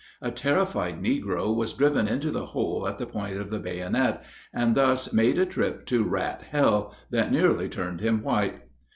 A terrified negro was driven into the hole at the point of the bayonet, and thus made a trip to Rat Hell that nearly turned him white.